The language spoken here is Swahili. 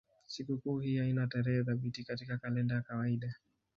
Sikukuu hii haina tarehe thabiti katika kalenda ya kawaida.